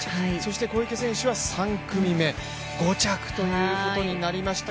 小池選手は３組目、５着ということになりました。